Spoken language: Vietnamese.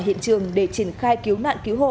hiện trường để triển khai cứu nạn cứu hộ